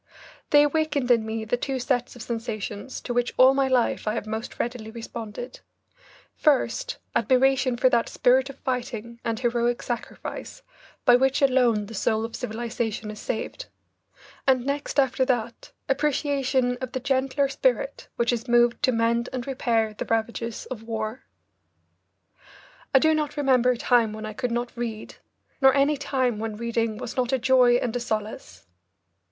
They awakened in me the two sets of sensations to which all my life I have most readily responded: first, admiration for that spirit of fighting and heroic sacrifice by which alone the soul of civilisation is saved; and next after that, appreciation of the gentler spirit which is moved to mend and repair the ravages of war. I do not remember a time when I could not read, nor any time when reading was not a joy and a solace.